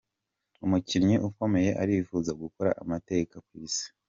Umukinnyi ukomeye arifuza gukora amateka kw’isi